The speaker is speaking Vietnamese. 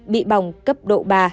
bị bỏng cấp độ ba